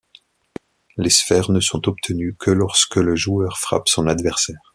Les sphères ne sont obtenues que lorsque le joueur frappe son adversaire.